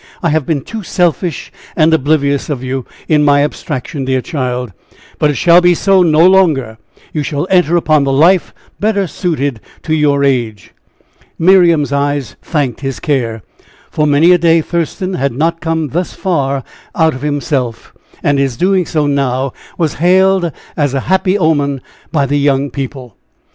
I have been too selfish and oblivious of you, in my abstraction, dear child; but it shall be so no longer. You shall enter upon the life better suited to your age." Miriam's eyes thanked his care. For many a day Thurston had not come thus far out of himself, and his doing so now was hailed as a happy omen by the young people.